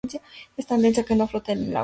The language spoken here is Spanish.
Es tan densa que no flota en el agua.